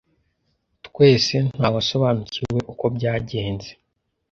Twese ntawasobanukiwe uko byagenze